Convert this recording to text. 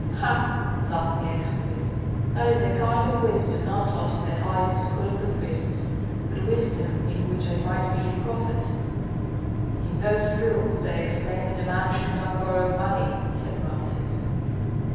"Ha!" laughed the exquisite; "that is a kind of wisdom not taught in the highest school of the priests, but wisdom in which I might be a prophet." "In those schools they explain that a man should not borrow money," said Rameses.